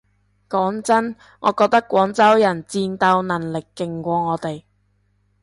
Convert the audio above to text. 講真我覺得廣州人戰鬥能力勁過我哋